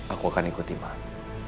aku akan ikut iman